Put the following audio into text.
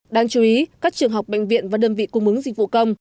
đáng chú ý các trường học bệnh viện và đơn vị cung ứng dịch vụ công